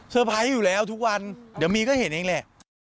ไพรส์อยู่แล้วทุกวันเดี๋ยวมีก็เห็นเองแหละ